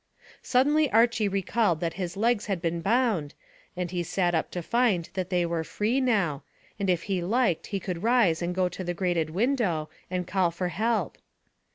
Suddenly Archy recalled that his legs had been bound, and he sat up to find that they were free now, and if he liked he could rise and go to the grated window and call for help.